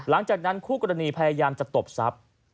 หลังจากนั้นคู่กรณีพยายามจะตบทรัพย์